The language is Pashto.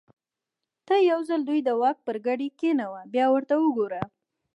ته یو ځل دوی د واک پر ګدۍ کېنوه بیا ورته وګوره.